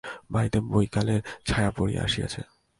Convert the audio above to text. বাড়িতে বৈকালের ছায়া পড়িয়া আসিয়াছে।